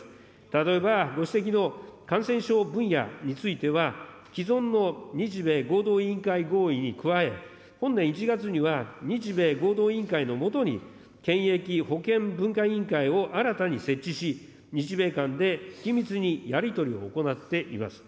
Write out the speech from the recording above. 例えば、ご指摘の感染症分野については、既存の日米合同委員会合意に加え、本年１月には日米合同委員会の下に検疫保健文化委員会を新たに設置し、日米間で緊密にやり取りを行っています。